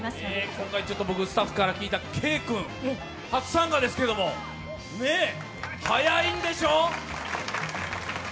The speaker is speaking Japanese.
今回、スタッフから聞いたＫ君、初参加ですけど速いんでしょ？